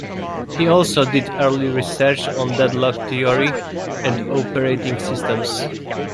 He also did early research on deadlock theory and operating systems.